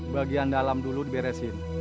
bagian dalam dulu diberesin